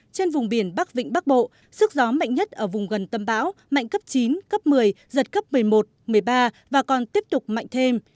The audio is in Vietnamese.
trên vùng biển bắc vịnh bắc bộ sức gió mạnh nhất ở vùng gần tâm bão mạnh cấp chín cấp một mươi giật cấp một mươi một một mươi ba và còn tiếp tục mạnh thêm